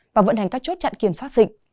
và vận hành các chốt chặn kiểm soát dịch